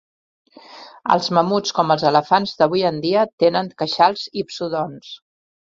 Els mamuts, com els elefants d'avui en dia, tenen queixals hipsodonts.